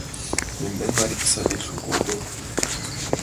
Мемнан марий писатель шуко огыл.